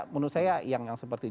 menurut saya yang seperti